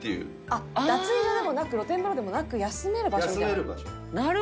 あっ脱衣所でもなく露天風呂でもなく休める場所みたいな。